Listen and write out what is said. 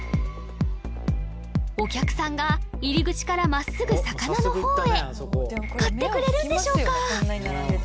お客さんが入り口から真っすぐ魚の方へ買ってくれるんでしょうか？